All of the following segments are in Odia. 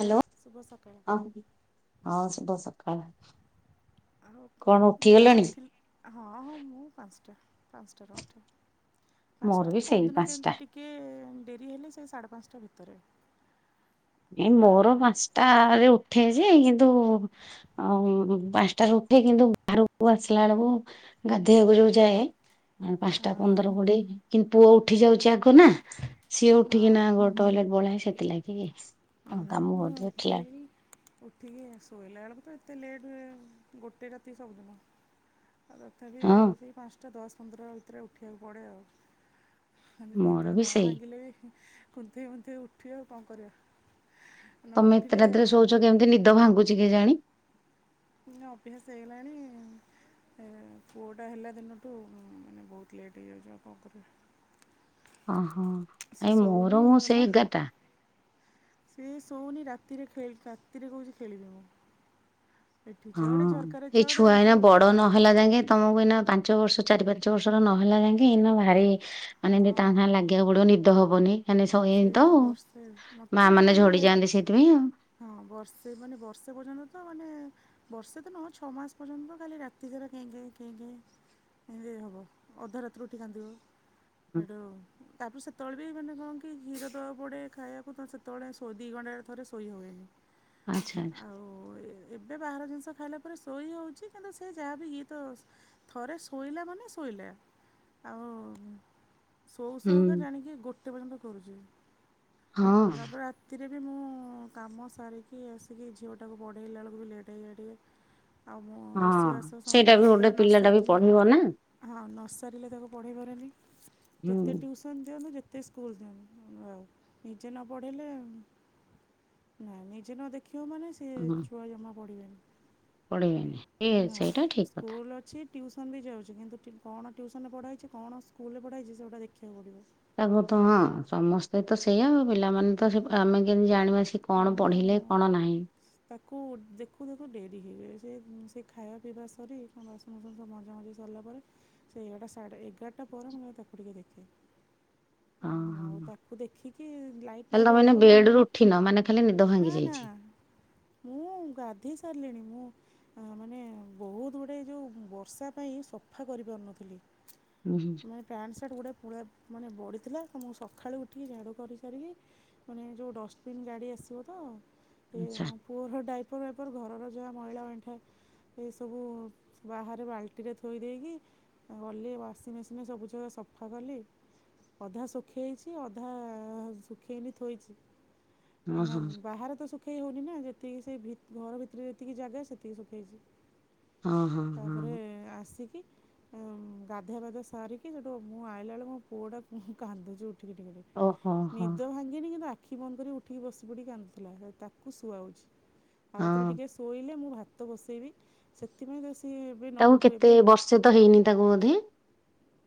ହ୍ୟାଲୋ ଶୁଭ ସକାଳ ହଁ ହଁ ଶୁଭ ସଖ୍ ଖାଳ ଆଉ କଣ କେତେବେଳେ ଉଠିଗଲେଣି? ଉଠିଲି ହଁ ହଁ ମୁଁ ପାଞ୍ଚଟା ପାଞ୍ଚଟାରୁ ଉଠେ। ମୋର ବି ପାଞ୍ଚଟା ସେଇ କେଉଁଦିନ ପାଞ୍ଚଟା କେମିତି ଟି କିଏ ଡେରି ହେଲେ ସେ ସାଢ଼େ ପାଞ୍ଚଟା ଭିତରେ। ଏ ଆଉ ମୋର ହଁ ପାଞ୍ଚଟାରେ ଉଠେ ଯେ କିନ୍ତୁ ଅଉଁ ପାଞ୍ଚଟାରୁ ଉଠି କିନ୍ତୁ ବାହାରକୁ ଆସିଲା ବେଳକୁ ଗାଧେଇବାକୁ ଯୋଉ ଯାଏ ପାଞ୍ଚଟା ହଁ ପନ୍ଦର କୋଡିଏ କିନ୍ତୁ ପୁଅ ଉଠି ଯାଉଛି ଆଗ ନା ସିଏ ଉଠିକିନା ଗୋ ହଁ ଟଏଲେଟ ପଳାଏ ସେଥିଲାଗିଁ କାମ ଉଠିଲା ଉଠିଲେଣି ଉଠିକି ଶୋଇଲା ବେଳକୁ ତ ଏତେ ଲେଟ୍ ହୁଏ ଗୋଟେ ରାତି ସବୁଦିନ। ଆ ତଥାପି ହଁ ସେଇ ପାଞ୍ଚଟା ଦଶ ପନ୍ଦର ଭିତରେ ଉଠିବାକୁ ପଡ଼େ ଆଉ। ଆମେ ନିଦ ମୋର ବି ନ ସେଇ ଭାଙ୍ଗିଲେ ବି କୁନ୍ଥେଇ ମୁନ୍ଥେଇ ଉଠିବା ଆଉ କଣ କରିବା। ନ ତମେ ଏତେ ଉଠିଲେ ରାତି ରେ କାମ ଶୋଉଚ କେମିତି ନିଦ ଭାଙ୍ଗୁଛି କେଜାଣି? ନା ଅଭ୍ୟାସ ହେଇଗଲାଣି ଏ ପୁଅଟା ହେଲା ଦିନଠୁ ମାନେ ବହୁତ ଲେଟ୍ ହେଇଯାଉଛି ଆଉ କଣ କରିବ। ଓହୋ ସିଏ ନାଇ ଶୋଉନି ମୋର ମୁଁ ସେ ଏଗାରଟା। ସେ ଶୋଉନି ରାତିରେ ଖେ ରାତିରେ କହୁଛି ଖେଳିବି ମୁଁ। ଏଠି ହଁ ଚଢ଼େ ଝରକାରେ ଏଇ ଚଢ଼େ ଛୁଆ ଏଇନା ସେ- ବଡ ନହେଲା ଯାଙ୍କେ ତମକୁ ଏଇନା ପାଞ୍ଚ ବର୍ଷ ଚାରି ପାଞ୍ଚ ବର୍ଷର ନହେଲା ଯାଇଁକି ଏଇନା ଭାରି ମାନେ ଟିକେ ତା ହଁ। ସାଙ୍ଗେ ଲାଗିବାକୁ ପଡିବ ନିଦ ହବନି। ସେମାନେ ସେ ଶୋଇବେନି ତ ବର୍ଷେ ମା ମୋତେ ମାନେ ଝଡିଯାଆନ୍ତି ସେଇଥିପାଇଁ ଆଉ। ହଁ ବର୍ଷେ ମାନେ ବର୍ଷେ ପର୍ଯ୍ୟନ୍ତ ତ ମାନେ ବର୍ଷେ ତ ନୁହଁ ଛଅ ମାସ ପର୍ଯ୍ୟନ୍ତ ଖାଲି ରାତି ସାରା କେଁ କେଁ କେଁ କେଁ ଏମିତି ହବ ଅଧ ରାତିରୁ ଉଠି କାନ୍ଦିବ। ହୁଁ। ସେଠୁ ତାପ ସେ ସେତେବେଳେ ବି ମାନେ କଣ କି କ୍ଷୀର ତଳେ ପଡ଼େ ଖାଇବାକୁ ତା ସେ ତଳେ ଦି ଘଣ୍ଟା ରେ ଥରେ ଶୋଇ ହୁଏନି ଆଚ୍ଛା ଆଚ୍ଛା ଆଉ ଏ ଏବେ ବାହାର ଜିନିଷ ଖାଇଲା ପରେ ଶୋଇ ହେଉଛି କିନ୍ତୁ ସେ ଯାହା ବିି ହି ତ ଥରେ ଶୋଇଲା ମାନେ ଶୋଇଲା। ଆଉ ସଉ ହୁଁ ସଉକା ଜାଣିକି ଗୋଟେ ପର୍ଯ୍ୟନ୍ତ କରୁଛି। ହଁ ଆଉ ତାପରେ ରା ତିରେ ବି ମୁଁ କାମ ସାରିକି ଆସିକି ଝିଅଟାକୁ ପଢ଼େଇଲା ବେଳକୁ ବି ଲେଟ୍ ହେଇଯାଇ ଟିକେ। ଆଉ ମୁଁ ହଁ। ରୋଷେଇବାସ ସମସ୍ତେ ସେଇଟା ବି ଗୋଟେ ଖଇବାପିଇବା ପିଲାଟା ବି ନସାରିଲେ ପଢିବ ନା ହଁ ନସାରିଲେ ତାକୁ ପଢ଼େଇ ପାରେନି। ହୁଁ ଯେତେ ଟିଉ ସନ ଦିଅନ୍ତୁ ଯେତେ ସ୍କୁଲ ଦିଅନ୍ତୁ ଆଉ ନିଜେ ନ ପଢ଼େଇଲେ ନାଇଁ ନିଜେ ନ ଦେଖିବ ମାନେ ସିଏ ହଁ ଛୁଆ ଜମା ପଢିବେନି। ପଢିବେନି ଏ ହଁ ସେଇଟା ଠିକ ଅ କଥା। ସ୍କୁଲ ଅଛି ଟ୍ୟୁସନ୍ ବି ଯାଉଚି କିନ୍ତୁ ଟି କଣ ଟ୍ୟୁସନରେ ପଢ଼ା ହେଇଚି କଣ ସ୍କୁଲରେ ପଢ଼ା ହେଇଚି ସେଗୁଡା ଦେଖିବାକୁ ପଡ଼ିବ। ତାକୁ ତ ହଁ ସମସ୍ତେ ତ ସେଇଆ ଆଉ ପିଲାମାନେ ତ ସେ ଆମେ କେମିତି ଜାଣିବା ସେ ହଁ କଣ ମୁଁ ପଢିଲେ କଣ ନାହିଁ? ତାକୁ ଦେଖୁ ଦେଖୁ ଡେରି ହେଇଯାଏ ସେ ଉମ୍ ସେ ଖାଇବା ପିଇବା ସରି କା ବାସ ନ ଫାସନ ସବୁ ମଜାମଜି ସରଲା ପରେ ସେ ଏଗାରଟା ସାଢେ ଏଗାରଟା ପରେ ମୁଁ ଯାଇ ତାକୁ ଟିକେ ଦେଖେ। ହଁ ଅଁ ଆଉ ହଁ ତାକୁ ଦେଖିକି ଲାଇଟଟା ଜଳିବ ମାନେ ଠିନ ମାନେ ଖାଲି ନିଦ ଭାଙ୍ଗି ନା ନା ଯାଇଛି। ମୁଁ ଗାଧେଇ ସାରଲିଣି ମୁଁ ଆ ମାନେ ବୋହୁତ ଗୁଡେ ଯୋଉ ଉଁ ବର୍ଷା ପାଇଁ ସଫା କରି ପାରୁନଥିଲି। ଉଁହୁଁ। ମାନେ ପ୍ୟାଣ୍ଟ ସାର୍ଟଗୁଡା ପୁଳା ମାନେ ବଢ଼ିଥିଲା ତ ମୁଁ ସକାଳୁ ଉଠିକି ଝଡ଼ୁ କରିସାରିକି ଫୁଣି ଏ ଯୋଉ ଡଷ୍ଟବିନ୍ ଗାଡ଼ି ଆସିବ ତ ସେ ଆଚ୍ଛା ମୋ ପୁଅର ଡାଇପର୍ ୱାଇପର୍ ଘରର ଯାହା ମଇଳା ଅଇଁଠା ଏଇସବୁ ବାହାରେ ବାଲ୍ଟିରେ ଥୋଇ ଦେଇକି ଆ ଗଲି ୱାସିଂ ମେସିନରେ ସବୁଜାକ ସଫା କଲି ଅଧା ଶୁଖେଇଚି ଅଧା ଶୁଖେଇନି ଥୋଇଚି। ହଁ କାହିଁକନା ହଁ ବାହାରେ ତ ଶୁଖେଇ ହୋଉନି ନା ଯେତିକି ସେଇ ଭିତ୍ ଘର ଭିତରେ ଯେତିକି ଜାଗା ସେତିକି ଶୁଖେଇଚି। ହଁ ହଁ ତାପରେ ହଁ। ଆସିକି ଆଁ ଗାଧୁଆ ପାଧୁଆ ସାରିକି ସେଠୁ ମୁଁ ଆଇଲା ବେଳକୁ ମୋ ପୁଅଟା ଉଁ କାନ୍ଦୁଚି ଉଠିକି ଟିକେ ଟିକେ। ଓହୋ ହୋ ନିଦ ଭାଙ୍ଗିନି କିନ୍ତୁ ଆଖି ବନ୍ଦ କରି ଉ ଉଠିକି ବସିପଡ଼ି କାନ୍ଦୁଥିଲା ତ ତାକୁ ଶୁଆଉଚି ଆଉଥରେ ହଁ ଟିକେ ସ୍ ଶୋଇଲେ ମୁଁ ଭାତ ବସେଇବି ସେଥିପାଇଁ ତ ସିଏ ଏବେ ନ ତାକୁ ଉଠୁ କେତେ ଏବେ ବର୍ଷେ ତ ହେଇନି ତାକୁ ବୋଧେ?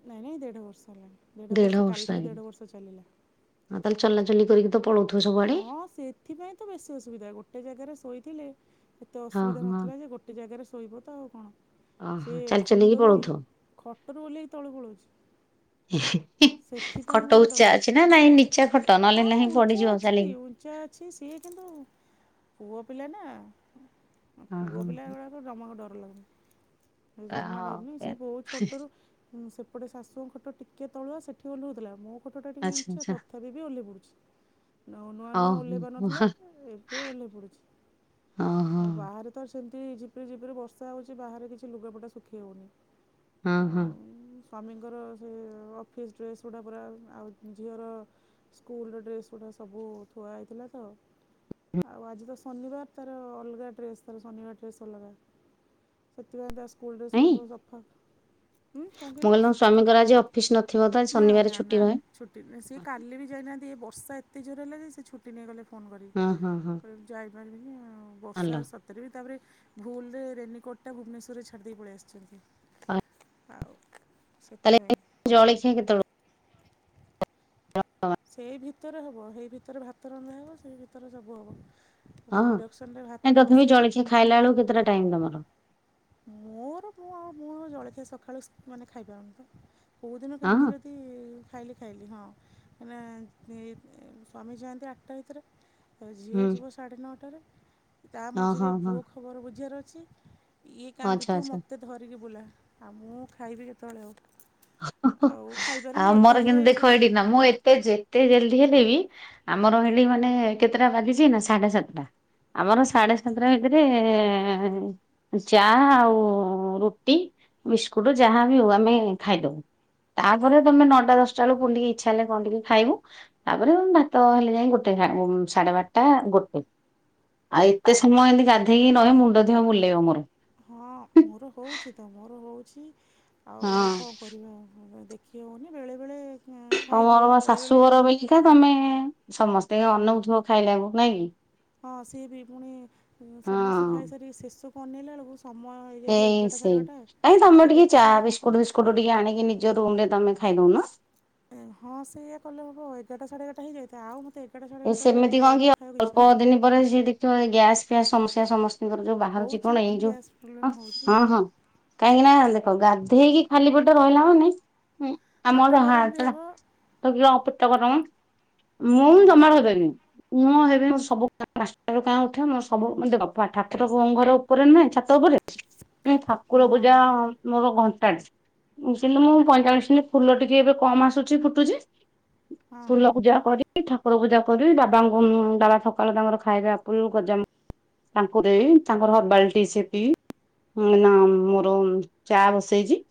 ନାଇଁ ନାଇଁ ଦେଢ଼ ବର୍ଷ ହେଲାଣି ଦେଢ଼ ଦେଢ ବର୍ଷ କାଲିଠୁ ହେଇନି ଦେଢ଼ ବର୍ଷ ଚାଲିଲା। ଆଉ ତାହେଲେ ଚଲା ଚଲି କରିକି ତ ପଳୋଉଥୁ ହଁ ସେଥିପାଇଁ ତ ବେଶୀ ଅସୁବିଧା ଗୋଟେ ଜାଗାରେ ଶୋଇଥିଲେ ଏତେ ହଁ ଅସୁବିଧା ହଁ ନଥିଲା ଯେ ଗୋ ଟେ ଜାଗାରେ ଶୋଇବ ତ ଆଉ କଣ? ଓହୋ ସିଏ ଚାଲି ଚାଲିକି ଖଟରୁ ପଳଉଥିବ। ଓହ୍ଲେଇ ଖଟରୁ ଓହ୍ଲେଇକି ତଳେ ପୋଳାଉଚି। ଖଟ ମୋର ଡର ଉଚ୍ଚା ଅଛି ନା ନାଇଁ ନିଚା ଖଟ ନହେଲେ ହଁ ନାହିଁ ଉଞ୍ଚା ପଡିଯିବ ଅଛି ଚାଲିକି? ଉଞ୍ଚା ଅଛି ସିଏ କିନ୍ତୁ ପୁଅ ପିଲା ନା ହଁ ପୁଅ ପିଲା ଗୁଡ଼ାକ ଜମାରୁ ଡର ଲାଗୁନି ସେ ଆ ଜମା ହଉ ଡରୁନି ସେ ବୋହୁତ ଛୋଟରୁ ହୁଁ ସେପଟେ ଶାଶୁଙ୍କ ଖଟ ଟିକେ ତଳୁଆ ସେଠି ଓଲହୋଉଥୁଲା ମୋ ଖଟାଟା ଟିକେ ଆଚ୍ଛା ଉଞ୍ଚା ଆଚ୍ଛା ତଥାପି ବି ଓଲହେଇ ପଡୁଚି। ନଉ ନୂଆ ନୂଆ ହଉ ଓଲହେଇ ହଉ ପାରୁନଥିଲା ଏବେ ଓଲହେଇ ହଁ ପଡ଼ୁଚି ହଁ। ଆଉ ବାହାରେ ତାର ସେମତି ଝିପିରି ଝିପିରି ବର୍ଷା ହୋଉଚି ବାହାରେ କିଛି ଲୁାଗାପଟା ଶୁଖେଇ ହୋଉନି। ହଁ ହଁ। ସ୍ୱାମୀଙ୍କର ସେ ଅଫିସ୍ ଡ୍ରେସଗୁଡ଼ା ପୁରା ଆଉ ଝିଅର ସ୍କୁଲଡ୍ରେସ୍ ଗୁଡ଼ା ସବୁ ଥୁଆ ହେଇଥିଲା ତ ଆଉ ଆଜି ତ ଶନିବାର ତାର ଅଲଗା ଡ୍ରେସ୍ ତାର ଶନିବାର ଡ୍ରେସ୍ ଅଲଗା। ସେଥିପାଇଁ ତା ସ୍କୁଲ ଡ୍ରେସଗୁଡା ନାଇଁ ସବୁ ସଫା ଉଁ କଣ ମୁଁ କହିଲ କହିଲି ତମ ସ୍ଵାମୀଙ୍କର ଆଜି ଅଫିସ ନଥିବ ତ ଆଜି ନା ଶନିବାର ନା ଛୁଟି ନା ରହେ? ଛୁଟି ନୁହେଁ ସିଏ କାଲି ବି ଯାଇନାହାନ୍ତି ଏ ବର୍ଷା ଏ ଏତେ ଜୋରେ ହେଲା ଯେ ସେ ଛୁଟି ନେଇଗଲେ ଫୋନ୍ କରି ହଁ ହଁ ହଁ କହିଲେ ଯାଇପାରିବିନି ଆଉ ବର୍ଷା ଭଲ। ସ ତରେ ବି ତାପରେ ଭୁଲରେ ରେନିକୋଟଟା ଭୁବନେଶ୍ୱରରେ ଛାଡ଼ିଦେଇ ପଳେ ଆସଚନ୍ତି। ଆଉ ସେଥିପାଇଁ। ତାହେଲେ ଜଳଖିଆ କେତୋଳୁ [inaudible] ସେଇ ଭିତରେ ହବ ହେଇ ଭିତରେ ଭାତ ରନ୍ଧା ହବ ସେଇ ଭିତରେ ସବୁ ହବ। ହଁ ଇଣ୍ଡକ୍ସନରେ ନାଇଁ ଭାତଟା ତଥାପି ବସେଇବି। ଜଳଖିଆ ଖାଇଲା ବେଳକୁ କେତେଟା ଟାଇମ୍ ତମର। ମୋର ପୁ ଆଉ ପୁଁ ଜଳଖିଆ ସକାଳୁ ମାନେ ଖାଇପାରୁନି ତ କୋଉଦିନ ହଁ କେମ୍ତି ଯଦି ଖାଇଲି ଖାଇଲି ହଁ। ମାନେ ସ୍ଵାମୀ ଜାଆନ୍ତି ଆଟ୍ଟା ଭିତରେ। ତ ଝିଅ ହୁଁ ଯିବ ସାଢ଼େ ନଅଟାରେ ତା ହଁ ମଝିରେ ହଁ ହଁ ପୁଅ ଖବର ବୁଝିବାର ଅଛି। ଇଏ ଆଚ୍ଛା କାନ୍ଦୁଥିବ ଆଚ୍ଛା। ମୋତେ ଧରିକି ବୁଲା ଆଉ ମୁଁ ଖାଇବି କେତେବେଳେ ଆଉ। ଆଉ ଆଉ ଖାଇପାରେନି ମୋର ଏକାଥରେ କିନ୍ତୁ ଦେଖ ସେ ଏଇଠି ନା ମୁଁ ଏତେ ଏତେ ଜଲ୍ଦି ହେଲେ ବି ଆମର ହେଟି ମାନେ କେତେଟା ବାଜିଛି ନା ସାଢେ ସାତଟା। ଆମର ସାଢେ ସାତଟା ଭିତରେ। ଚା ଆଉ ରୁଟି ବିସ୍କୁଟୁ ଯାହା ବି ହଉ ଆମେ ଖାଇଦବୁ ତାପରେ ତମେ ନଅଟା ଦଶଟା ବେଳ ପୁଣି ଟିକି ଇଚ୍ଛା ହେଲେ କଣ ଟିକି ଖାଇବୁ। ତାପରେ ଭାତ ହେଲେ ଯାଇଁକି ଗୋଟେ ସାଢେ ବାର୍ଟା ଗୋଟେ। ଆଉ ଏତେ ସମୟ ଏମିତି ଗାଧେଇକି ନହେଁ ମୁଣ୍ଡ ଥିବ ବୁଲେଇବ ମୋର। ହଁ ମୋର ହଉଚି ତ ମୋର ହୋଉଚି ଆଉ କଂ କରିବା ଦେ ଖି ହଉନି ବେଳେବେେଳେ ଖାଇଦିଏ ବେଳେବେଳେ ମୁଁ ଦୋ ତମେ ସମସ୍ତେ ଅନଉଥିବ ଖାଇଲାକୁ ନାଇକି। ହଁ ସିଏ ବି ପୁଣି ସମସ୍ତେ ହଁ। ଖାଇସାରି ଶେଷ କୁ ଅନେଇଲା ବେଳକୁ ସମୟ ହେଇଯାଇଥିବ ଏଇ ଏଗାର୍ଟା ସାଢ଼େବାର୍ଟା ଏଗାର୍ଟା ସାଢ଼େ ବିସ୍କୁଟୁ ଫିସ୍କୁଟୁ ଟିକେ ଆଣିକି ନିଜ ରୁମ୍ ରେ ତମେ ଖାଇଦଉ ନ। ହଁ ସେୟା କଲେ ହବ ଏଗାର୍ଟା ସାଢେ ଏଗାର୍ଟା ହେଇଯାଇଥାଏ ଆଉ ମତେ ଏଗାରଟା ସାଢେ ଏ ଏଗାର୍ଟା ରେ ଆଉ ସେମିତି କଣ କି ଜଳଖିଆ ଖାଇବାକୁ ଅଳ୍ପ ଇଚ୍ଛା ଦିନ ହୁଏନି। ପରେ ଯିଏ ଦେଖିବ ଗ୍ୟାସ ଫ୍ୟାସ ସମସ୍ୟା ସମସ୍ ସ୍ତଙ୍କର ଯୋଉ ବାହାରୁଛି ହେଉଛି କଣ ନା ଏଇ ଯୋଉ ଗ୍ୟାସ୍ ପ୍ରୋବ୍ଲେମ୍ ହଁ ହେଉଛି ହଁ ହଁ। କାହିଁକି ନା ଦେଖ ଗାଧେଇକି ଖାଲି ପେଟ ରହିଲା ମାନେ ପେଟ ଆମର ଗରମ ବି ହେବ [unintelligible] ପେଟ ଗରମ ମୁଁ ହଁ ଜମା ରହି ପାରିବିନି। [unintelligible] ତ ପରେ ହୁଁ ଠାକୁର ପୂଜା। ମୋର ଘଣ୍ଟାଟ୍ କିନ୍ତୁ ହଁ ମୁଁ ହଁ ପଇଁଚାଳିଶି ଦିନ ଫୁଲ ଟିକେ ଏବେ କମ ଆସୁଛି ଫୁଟୁଛି। ହଁ ଫୁଲ ପୂଜା କରି ଠା କୁର ପୂଜା କରି ବାବାଙ୍କୁ ବାବା ସକାଳୁ ତାଙ୍କର ଖାଇବା ପୁ ଗଜାମୁ ତାଙ୍କୁ ଦେଇ ତାଙ୍କର ହର୍ବାଲ୍ଟି ସେ ପି। ନା ମୋର ଚା ବସେଇଚି।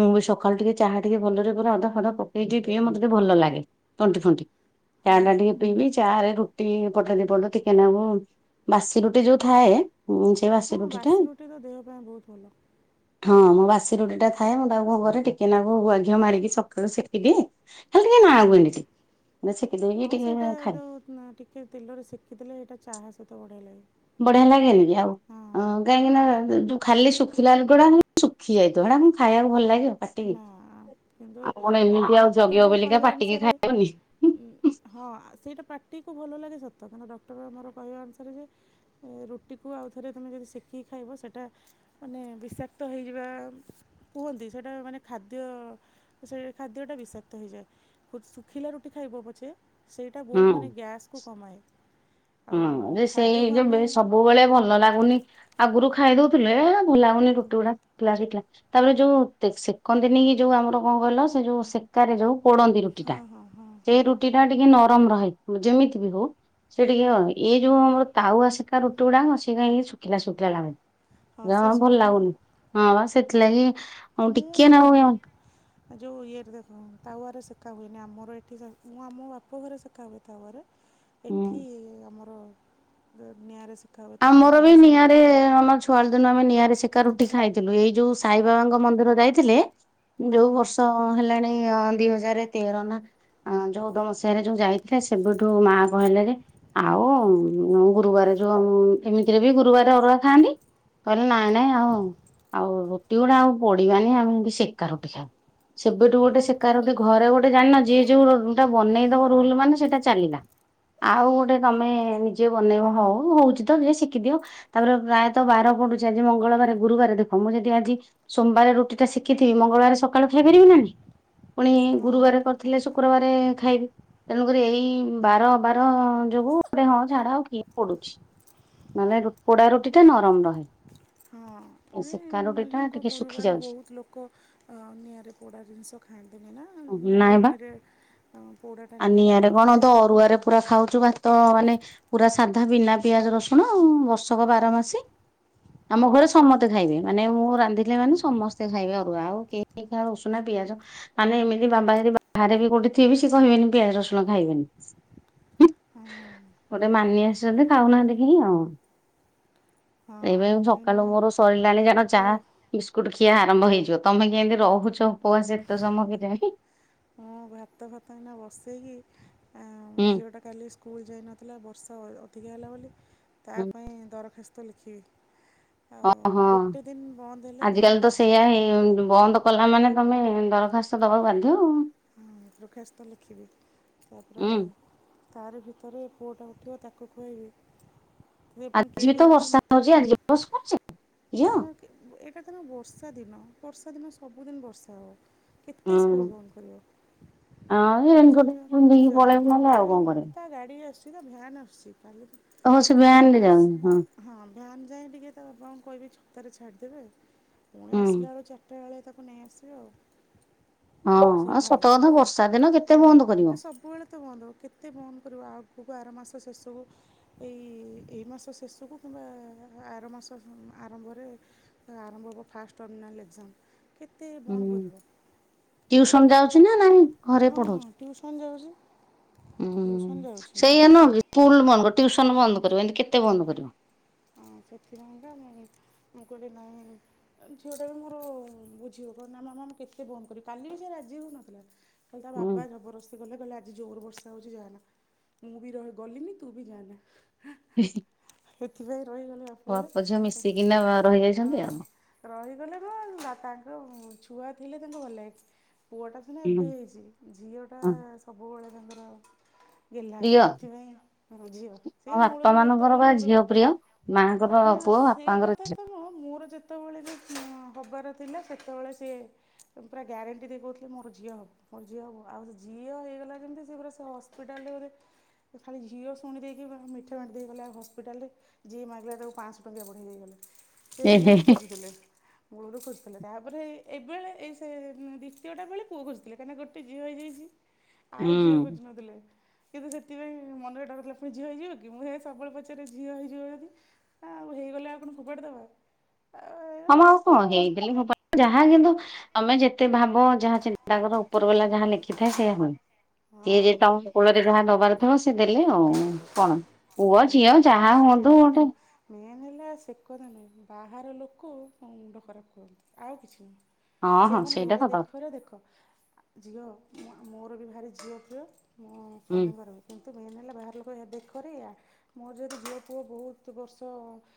ମୁଁ ବି ସକାଳୁ ଟିକେ ଚାହା ଟିକେ ଭଲରେ ପୁରା ଅଧା ଫଧା ପକେଇକି ପିଏ ମୋତେ ଟିକେ ଭଲ ଲାଗେ। ତଣ୍ଟି ଫଣ୍ଟି ଚା ହଁ ଟା ହଁ ଟିକି ପିବି ଚାରେ ରୁ ରୁଟି ପଟେ ଦି ପଟ ଟିକେ ନାବ ବାସି ରୁଟି ଯୋଉ ଥାଏ ସେ ବାସି ହଁ ରୁଟି ଟା। ତ ଦେହ ପାଇଁ ବହୁତ ଭଲ ହଁ ମୋ ବାସି ରୁଟି ଟା ଥାଏ ମୁଁ ତାକୁ ଘରେ ଟିକେନାକୁ ଗୁଆ ଘିଅ ମାରିକି ସକାଳୁ ଶିକିଦିଏ। ଖାଲିିଟିକେ ନା କୁ ହୁଁ [unintelligible] [unintelligible] ହଁ ସେଇଟା ଯୋଉ ଟିକେ ତେଲରେ ସେକିଦେଲେ ସେଇଟା ଚାହା ସହିତ ବଢ଼ିଆଲାଗେ। ବଢିଆ ଲାଗେନି କି ଆଉ। ହଁ କାହିଁକି ନା ଯ ଖାଲି ଶୁଖିଲା [unintelligible] ଶୁଖି ଯାଇଥିବ ହେଟା କଣ ଖାଇବାକୁ ଭଲ ଲାଗିବ। ପାଟିକି। ନା କିନ୍ତୁ ଆଉ କଣ ଏମିତି ଆଉ ଜଗିବ ଡକ୍ଟର୍ଙ୍କ ବୋଲିକା କହିବା ପାଟିକି ଅନୁସାରେ ଖାଇବନି ହଁ ସେଇଟା ପାଟିକୁ ଭଲ ଲାଗେ ସତ କାରଁନ ଡକ୍ଟର ମୋର କହିବା ଅନୁସାରେ ଯେ ରୁଟିକୁ ଆଉଥରେ ତମେ ଯଦି ଶେକିକି ଖାଇବ ସେଟା ମାନେ ବିଷାକ୍ତ ହେଇଯିବା କୁହନ୍ତି। ସେଇଟା ମାନେ ଖାଦ୍ୟ ସେ ଖାଦ୍ୟଟା ବିଷାକ୍ତ ହେଇଯାଏ। ଶୁଖିଲା ରୁଟି ଖାଇବ ପଛେ ସେଇଟା ବହୁତ୍ ମାନେ ଗ୍ୟାସ୍କୁ କମାଏ। ହୁଁ ଆଉ ଯେ ସେଇ ଖାଦ୍ୟକୁ ଯେ ଆମେ ସବୁବେଳେ ଭଲ ଲାଗୁନି। ଆଗରୁ ଖାଇ ଦଉଥିଲୁ ଏ ଭଲ ଲାଗଉନି ରୁଟି ଗୁଡା ଶା ଶିଖା ତାପରେ ଯୋଉ ସେକନ୍ତିନି କି ଯୋଉ ଆମର କଣ କହିଲ ସେ ଯୋଉ ସେ ଆରେ ଯୋଉ ପୋଡନ୍ତି ରୁଟି ହଁ ଟା ହଁ ହଁ ସେଇ ହଁ ରୁଟି ଟା ଟିକେ ନରମ ରହି ଯେମିତି ବି ହଉ। ସେ ଟିକେ ଏଇ ଯୋଉ ଆମର ତାଉଆ ସିକା ରୁଟି ଗୁଡାକ ସେ କା ଶୁଖିଲା ଶୁଖିଲା ହଁ ଲାଗନ୍ତି। ସେ କଣ ଭଲ ଶୁଖିଯିବ ଲାଗୁନି ହଁ ବା ସେଥିଲାଗି ଆଉ ଟିକିଏ ନାଗୁ ଯୋଉ ଇଏରେ ଦେଖ ତାୱରେ ସେକା ହୁଏନି ଆମର ଏଠି ମୁଁ ଆମ ବାପ ଘରେ ସେକା ହୁଏ ତାୱରେ। ଉଁ ଏଠି ଆମର ନିଆଁରେ ସେ ଆମର ବି ନିଆଁରେ ଆମ ଚୁ ପର ଦିନ ଆମେ ନିଆଁରେ ସେକା ରୁଟି ଖାଇଥିଲୁ ଏଇ ଯୋଉ ସାଇବାବାଙ୍କ ମନ୍ଦିର ଯାଇଥିଲେ। ଯୋଉ ବର୍ଷ ହେଲାଣି ଦି ହଜାର ତେର ନା ଅ ଯଉ ତମ ସିଆଡେ ଯୋଉ ଯାଇଥିଲେ ସେବୁଠୁ ମା କହିଲେ ଯେ ଆଉ ଗୁରୁବାର ଯୋଉ ଏମିତିରେ ବି ଗୁରୁବାର ଅରୁଆ ଖାଆନ୍ତି। କହିଲେ ନାଇଁ ନାଇଁ ଆଉ ଆଉ ରୁଟି ଗୁଡା ଆଉ ପଡିବାନି ଆମେ ଏମତି ସେକା ରୁଟି ଖାଉ। ସେବେଠୁ ଗୋଟେ ହଁ ଶୀକାର ଘରେ ଗୋଟେ ଜାଣିନ ଯିଏ ଯୋଉଟା ବନେଇ ଦବ ରୁଲ ମାନେ ସେଇଟା ଚାଲିଲା। ଆଉ ଗୋଟେ ତମେ ନିଜେ ବନେଇବ ହେଉ। ହଉଛି ତ ଯଏ ଶିଖି ଦିଅ ତାପରେ ପ୍ରାୟତଃ ବାର ପଡୁଛି ଆଜି ମଙ୍ଗଳବାର ଗୁରୁବାର ଦେଖ ମୁଁ ଯଦି ଆଜି ସୋମବାର ରୁଟି ଟା ସେକିଥିବି ମଙ୍ଗଳବାର ସକାଳୁ ଖାଇପାରିବି ନା ନାଁଇ। ପୁଣି ହଁ ଗୁରୁବାର ଠିକ୍ କରିଥିଲେ କଥା ଶୁକ୍ରବାର ଖାଇବି। ତେଣୁକରି ଏଇ ବାର ବାର ଯୋଗୁ ଗୋଟେ ହଁ ଝାଡା ଆଉ କିଏ ପଡୁଛି। ମାନେ ପୋଡା ରୁଟି ଟା ନରମ ରହେ। ହଁ ଏ ସେକା ରୁଟି ଟା ଲୋକ ଟିକେ ଶୁଖି ଗୁରୁବାର ଯାଉଛି। ବହୁତ ଲୋକ ନିଆରେ ପୋଡ଼ା ଜିନିଷ। ଖାଇଦେବେ ନା ମାନେ ନାଇଁ ବା ରୁଟିରେ ହ ପୋଡ଼ାଟା ଆଉ ନିଆଟା ନିଆଁରେ କଣ ବାଜିଲେ ହୁଁ ଅରୁଆରେ ପୁରା ଖାଉଛୁ ଭାତ ତ ମାନେ ପୁରା ସାଧା ବିନା ପିଆଜ ରସୁଣ ବର୍ଷକ ବାର ମାସେ। ଆମ ଘରେ ସମସ୍ତେ ଖାଇବେ ମାନେ ମୁଁ ରାନ୍ଧିଲି ମାନେ ସମସ୍ତେ ଖାଇବେ ଅରୁଆ ଆଉ କେ ଇ ଉସୁନା ପିଆଜ ମାନେ ଏମିତି ବାବା ଯଦି ବାହାରେ କୋଉଠିଥିବେ ସେ କହିବେନି ପିଆଜ ରସୁଣ ଖାଇବେନି। ହୁଁ। ଗୋଟେ ମାନି ଆସିଛନ୍ତି। ଖାଉନାହାନ୍ତି କେହି ଆଉ ହଁ [inaudible] ମୁଁ ଏଇନା ସକାଳୁ ମୋର ସରିଲାଣି ଜାଣ ଚାହା ଭାତ ବିସ୍କୁଟ ଖିଆ ଆରମ୍ଭ ହେଇଯିବ ତମେ କେମିତି ରହୁଛ ଉପବାସ ଏତେ ସମୟ କେଜାଣି? ଆ ଭାତ ଭାତଫାତ ଏୟିନା ବସେଇକି ହୁଁ। ଝିଅଟା କାଲି ସ୍କୁଲ୍ ଯାଇନ ଥିଲା ବର୍ଷା ଅଧିକା ହେଲା ବୋଲି ତା ହୁଁ ପାଇଁ ଦରଖାସ୍ତ ଲେଖିବି। ଆଉ ଓହଁ ଗୋଟେ ଦିନ ବନ୍ଦ ହେଲେ ତାଙ୍କର ଆଜିକାଲି ତ ହଁ, ସେଇଆ ହେଇ ବନ୍ଦ। କଲା ମାନେ ତମେ ଦରଖାସ୍ତ ଦବାକୁ ବାଧ୍ୟ। ଦରଖାସ୍ତ ଲେଖିବି ତାପରେ ହୁଁ ତାରି ଭିତରେ ପୁଅଟା ଉଠିବ ତାକୁ ଖୁଆଇବି। ସେ ପୁଣି କେଁ ଆଜି ବି କେଁ ତ ହେଉଥିବ ବର୍ଷା ମୋତେ ହଉଛି ଆଜି ଉପବାସ କରୁଛି। ଝିଅ ହଁ ଏଇଟା ତମ ବର୍ଷା ଦିନ ବର୍ଷା ଦିନ ସବୁଦିନ ବର୍ଷା ହେଉ। କେତେ ସ୍କୁଲ ହୁଁ। ବନ୍ଦ କରିବ। ହଁ ତ ମୁଁ ରେନିକୋଟ ସେଥିପାଇଁ କହୁଛି ପିନ୍ଧିକି ଯା ପଳେଇବୁ ନହେଲେ ବୋଲି ଆଉ କଣ ନାଇ କରିବୁ। ତା ଗାଡିରେ ଆସ ସେ ତା ଭାନ ଆସୁଛି କାଲି ଓହୋ ସେ ଭ୍ୟାନରେ ଭାନ ଯାଉନି ଆସ ହଁ ଭାନ ଯାଏଁ ଟିକେ ତା ବାପାଙ୍କୁ କହିବି ଛତାରେ ଛାଡ଼ିଦେବେ ଆଉ। ପୁଣି ହୁଁ। ଆସିଲା ବେଳକୁ ଚାରିଟା ବେଳେ ତାକୁ ନେଇ ଆସିବେ ଆଉ। ହଁ ସେଇ ଆଉ ସତ ଭାନ କଥା ପାଖରୁ ବର୍ଷା ଦିନ କେତେ ହଁ ଏ ବନ୍ଦ କରିବ। ସବୁ। ସବୁବେଳେ ତ ବନ୍ଦ ହେବ କେତେ ବନ୍ଦ କରିବ ଆଗକୁ ଆର ମାସ ଶେଷକୁ ଏଇ ଏଇ ମାସ ଶେଷକୁ କିମ୍ବା ଆର ମାସ ଆରମ୍ଭ। ଆରମ୍ଭ ହେବ ଫାଷ୍ଟ ଟର୍ମିନାଲ୍ ଏକ୍ଜାମ କେତେ ବନ୍ଦ କରିବ। ଟ୍ୟୁସନ ଯାଉଛି ନା ନାଇଁ ଘରେ ପଢଉଛ। ଟିଉସନ୍ ଯାଉଚି। ହୁଁ ସେଇଆ ନୁହଁ କି ସ୍କୁଲ ବନ୍ଦ କରିବ ଟିଉସନ୍ ବନ୍ଦ କରିବ ଏମ୍ତି କେତେ ବନ୍ଦ କରିବ। ହଁ ସେଥିପାଇଁକା ମୁଁ କହିଲି ନାଇଁ ଝିଅଟା ବି ମୋର ବୁଝିବ କଣ ନା ମାମାଁ ମୁଁ କେତେ ବନ୍ଦ କରିବି, କାଲି ବି ସେ ରାଜି ହଉନଥିଲା। ହେଲେ ତା ହୁଁ। ବାପା ଜବରସ୍ତି କଲେ କହିଲେ ଆଜି ଜୋର୍ ବର୍ଷା ହେଉଚି ଯାଆନା, ମୁଁ ବି ଗଲିନି ତୁ ବି ଯାଆନା। ଉହୁଁ। ସେଥିପାଇଁ ରହିଗଲେ ବାପ ଝିଅ ମିଶିକିନା ରହିଯାଇଛନ୍ତି ହିଁ। ଆଉ। ରହିଗଲେ କଣ, ତାଙ୍କ ଛୁଆ ଥିଲେ ତାଙ୍କୁ ଭଲ୍ ଲାଗେ। ପୁଅଟା ସିନା ହୁଁ। ଏବେ ହେଇଛି, ଝିଅଟା ହଁ ସବୁବେଳେ ତାଙ୍କର ଗେଲ୍ହା ପ୍ରିୟ ହଁ ସେଥିପାଇଁ ମୋ ଝିଅ ସେ ବାପା ମୂଳରୁ ମାନଙ୍କର ଯେତେବେଳେ ବା ମୋର ଝିଅ ପ୍ରିୟ। ମାଙ୍କର ନାଁ ପୁଅ ସେ ବାପାଙ୍କର କଥା ତ ନୁହଁ, ମୋର ଯେ [inaudible] ହଁ ହେବାର ଥିଲା ସେତେବେଳେ ସିଏ ପୁରା ଗ୍ୟାରେଣ୍ଟି ଦେଇ କହୁଥିଲେ ମୋର ଝିଅ ହବ। ମୋର ଝିଅ ହବ, ଆଉ ଝିଅ ହେଇଗଲା ଯେମ୍ତି ସେ ପୁରା ସେ ହସ୍ପିଟାଲ୍ ରେ ସେ ଖାଲି ଝିଅ ଶୁଣି ଦେଇକି ମିଠା ବାଣ୍ଟି ଦେଇ ଗଲେ ହସ୍ପିଟାଲ ରେ। ଯିଏ ମାଗିଲା ତାକୁ ପାଞ୍ଚଶହ ଟଙ୍କିଆ ବଢେଇ ଦେଇଗଲେ, ସେ ଏ ହେ ମୂଳରୁ ହେ ଖୋଜିଥିଲେ। ମୂଳରୁ ଖୋଜୁଥିଲେ ତାପରେ ଏବେଳେ ଏଇ ସେ ଦ୍ୱିତୀୟଟା ବେଳେ ପୁଅ ଖୋଜୁ ଥିଲେ, କାହିଁକିନା ଗୋଟେ ଝଅ ହେ। ଆଉ ଝିଅ ହୁଁ। ଖୋଜୁ ନଥିଲେ। କିନ୍ତୁ ସେଥିପାଇଁ ମନରେ ଡରଥିଲା ପୁଣି ଝିଅ ହେଇଯିବ କି, ମୁଁ ସେଥିପାଇଁ ସବୁବେଳେ ପଚାରେ ଝିଅ ହେଇଯିବ। ନା ଆଉ ହେଇଗଲେ ଆଉ କଣ ଫୋପାଡ଼ି ଦେବା? ହଁ ମ ଆଉ କଣ ହେଇଗଲେ ଫୋପାଡ଼ି ଯାହା କିନ୍ତୁ ତମେ ଯେତେ ଭାବ ଯାହା ଚିନ୍ତା କର ଉପର ବାଲା ଯାହା ଲେଖିଥାଏ ସେଇଆ ହୁଏ। ସିଏ ଯେ ହଁ ତମ କୂଳରେ ଯାହା ଦବାର ଥବ ସେ ଦେଲେ ଆଉ କଣ। ପୁଅ ମେନ୍ ଝିଅ ହେଲା ଯାହା ହୁଅନ୍ତୁ ଗୋଟେ ଶୁଣନ୍ତୁ ମେନ୍ ହେଲା ସେ କଥା ନାହିଁ, ବାହାର ଲୋକ ମୋ ମୁଣ୍ଡ ଖରାପ କରନ୍ତି ଆଉ କିଛି ନାଇଁ। ହଁ ହଁ ସେମାନେ ସେଇଟା କହିବେ ହେ ସତ କଥା ଦେଖରେ ଦେଖ। ଝିଅ ମୋର ବି ଭାରି ଝିଅ ପ୍ରିୟ ମୋ ହୁଁ। ସ୍ୱାମୀଙ୍କର ବି। କିନ୍ତୁ ମେନ୍ ହେଲା ବାହାର ଲୋକ ଏ ଦେଖରେ ଏୟା ମୋର ଯଦି ଝିଅ ପୁଅ ବହୁତ୍ ବର୍ଷ